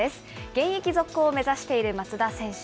現役続行を目指している松田選手。